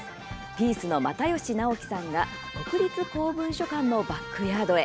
ピースの又吉直樹さんが国立公文書館のバックヤードへ。